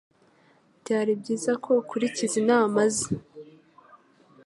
Byari byiza ko ukurikiza inama ze